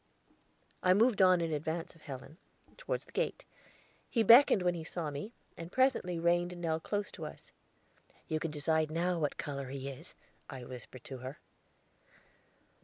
I moved on in advance of Helen, toward the gate; he beckoned when he saw me, and presently reined Nell close to us. "You can decide now what color he is," I whispered to her.